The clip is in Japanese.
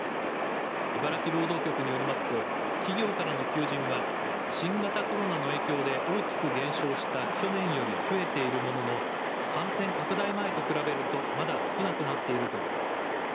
茨城労働局によりますと企業からの求人は新型コロナの影響で大きく減少した去年より増えているものの感染拡大前と比べると、まだ少なくなっているということです。